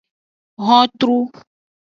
Hontru.